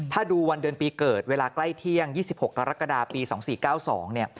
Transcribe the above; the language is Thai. ถ้าดูวันเดือนปีเกิดเวลาใกล้เที่ยง๒๖กรกฎาปี๒๔๙๒เนี่ย